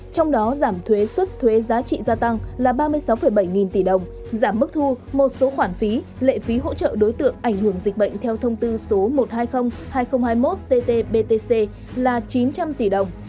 trong đó giảm thuế xuất thuế giá trị gia tăng là ba mươi sáu bảy nghìn tỷ đồng giảm mức thu một số khoản phí lệ phí hỗ trợ đối tượng ảnh hưởng dịch bệnh theo thông tư số một trăm hai mươi hai nghìn hai mươi một tt btc là chín trăm linh tỷ đồng